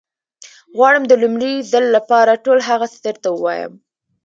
غواړم د لومړي ځل لپاره ټول هغه څه درته ووايم.